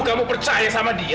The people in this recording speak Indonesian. kamu percaya sama dia